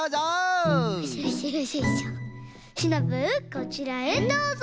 こちらへどうぞ。